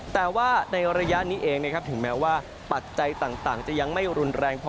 แต่ว่าในระยะนี้เองถึงแม้ว่าปัจจัยต่างจะยังไม่รุนแรงพอ